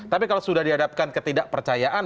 tapi kalau sudah dihadapkan ketidakpercayaan